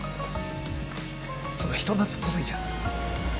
そうか人懐っこすぎちゃうんだ。